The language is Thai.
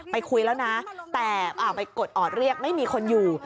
ไปคุยแล้วนะแต่ไปกดออดเรียกไม่มีคนอยู่